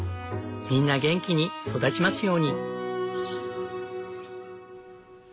みんな元気に育ちますように。